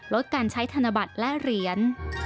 ลดการใช้ธนบัตรและเหรียญ